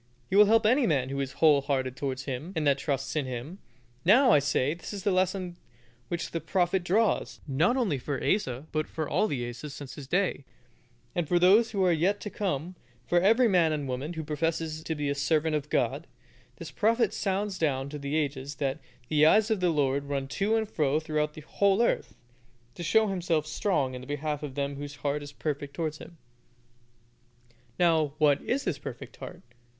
He will help any man who is whole hearted towards Him that trusts in Him. Now, I say, this is the lesson which the prophet draws, not only for Asa, but for all the Asas since his day, and those who are yet to come, for every man and woman who professes to be a servant of God, the prophet sounds down to the ages that "the eyes of the Lord run to and fro throughout the whole earth, to show Himself strong in the behalf of them whose heart is perfect towards Him." Now, what is this perfect heart?